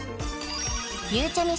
ゆうちゃみ